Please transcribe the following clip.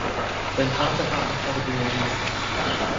Sein Vater war Akkordeonist.